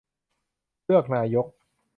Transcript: -เลือกนายก